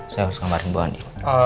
saya harus kemarin bu andi